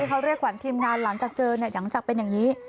เขาเรียกขวัญทีมงานหลังจากเจอเนี่ยหลังจากเป็นอย่างนี้